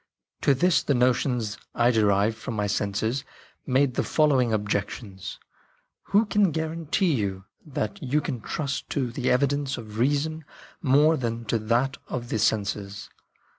" To this the notions I derived from my senses made the following objections :" Who can guarantee you that you can trust to the evidence of reason more than to that of the senses